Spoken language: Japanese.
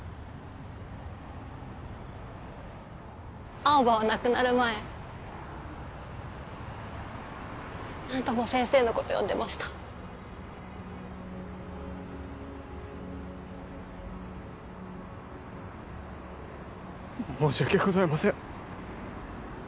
青葉は亡くなる前何度も先生のこと呼んでました申し訳ございません